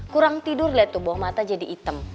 kurang tidur liat tuh bawah mata jadi item